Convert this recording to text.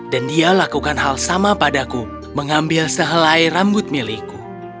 dan dia lakukan hal sama padaku mengambil sehelai rambut milikku